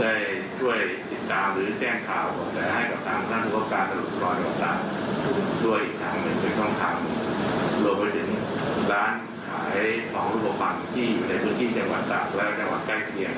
จะช่วยติดตามหรือแจ้งข่าวให้กับทางห้างภูครับการสำรวจพอดังต่างด้วยอีกทางมันจะต้องทำโลกไปถึงร้านขายห้องรูปภัณฑ์ที่อยู่ในเมืองที่จังหวัดศาสตร์และในจังหวัดใกล้เคียง